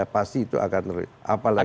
pasti itu akan apalahnya